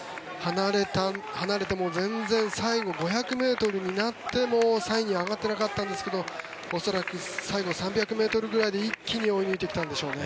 離れても全然最後５００ｍになっても３位に上がってなかったんですが恐らく、最後３００ｍぐらいで一気に追い抜いてきたんでしょうね。